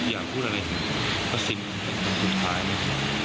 อยากพูดอะไรว่าซิมเป็นคนพุทธท้ายไหม